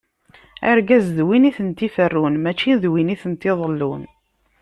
Argaz, d win i tent-iferrun, mačči d win i tent-iḍellun.